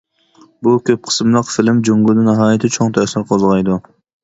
بۇ كۆپ قىسىملىق فىلىم جۇڭگودا ناھايىتى چوڭ تەسىر قوزغايدۇ.